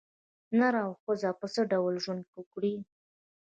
نر او ښځه په څه ډول ژوند وکړي.